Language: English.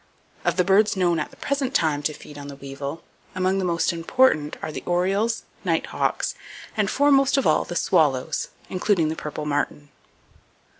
Of the birds known at the present time to feed on the weevil, among the most important are the orioles, nighthawks, and, foremost of all, the swallows (including the purple martin).